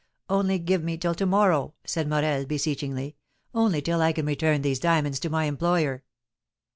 "Only give me till to morrow," said Morel, beseechingly; "only till I can return these diamonds to my employer."